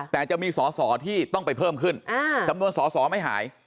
แต่จะมีสอสอที่ต้องไปเพิ่มขึ้นจำนวนสอสอไม่หาย